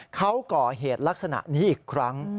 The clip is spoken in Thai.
เขาก่อเหตุลักษณะนี้อีกครั้ง